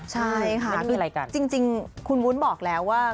ใช่ค่ะจริงคุณวุ้นบอกแล้วว่า